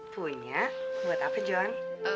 punya buat apa jon